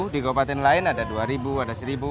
di kabupaten lain ada dua ada satu